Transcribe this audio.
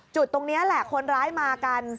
จุดตรงนี้แหละคนร้ายมากัน